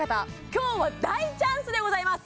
今日は大チャンスでございます